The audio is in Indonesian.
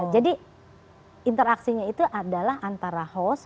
jadi interaksinya itu adalah antara host